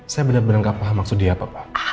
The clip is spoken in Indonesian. saya benar benar gak paham maksudnya ya pak